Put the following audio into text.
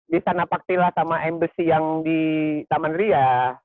bisa napaktilah sama embersih yang di taman ria